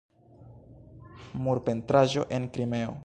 Murpentraĵo en Krimeo.